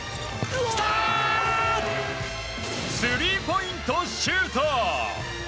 スリーポイントシュート。